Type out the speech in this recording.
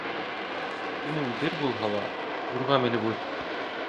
Көнөң бер булһа ла, юрға менеп үт.